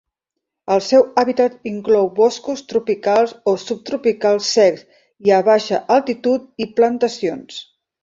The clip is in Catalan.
El seu hàbitat inclou boscos tropicals o subtropicals secs i a baixa altitud i plantacions.